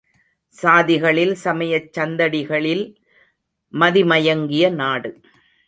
சாதிகளில் சமயச் சந்தடிகளில் மதிமயங்கிய நாடு.